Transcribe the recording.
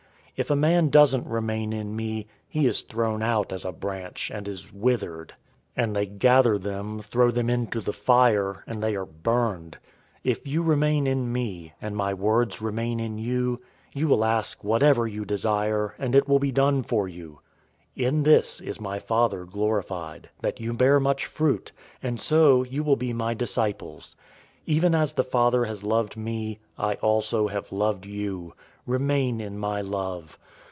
015:006 If a man doesn't remain in me, he is thrown out as a branch, and is withered; and they gather them, throw them into the fire, and they are burned. 015:007 If you remain in me, and my words remain in you, you will ask whatever you desire, and it will be done for you. 015:008 "In this is my Father glorified, that you bear much fruit; and so you will be my disciples. 015:009 Even as the Father has loved me, I also have loved you. Remain in my love.